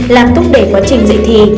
làm thúc đẩy quá trình dạy thi